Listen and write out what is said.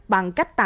bằng cách đồng hành